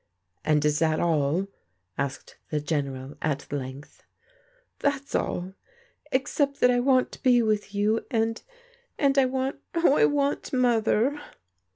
" And is that all ?" asked the General at length. " That's all, except that I want to be with you, and — and I want — oh, I want Mother!